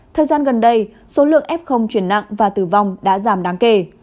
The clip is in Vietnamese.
thời gian gần đây số lượng f chuyển nặng và tử vong đã giảm đáng kể